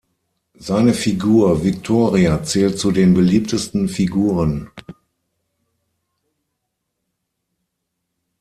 Seine Figur Victoria zählt zu den beliebtesten Figuren.